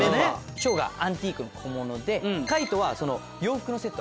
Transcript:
紫耀がアンティークの小物で海人は洋服のセット。